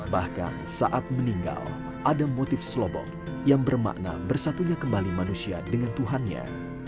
bahkan saat meninggal ada motif slobong yang bermakna bersatunya kembali manusia dengan tuhannya